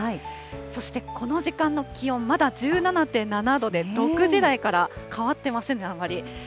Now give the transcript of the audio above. そしてこの時間の気温、まだ１７．７度で、６時台から変わってませんね、あまり。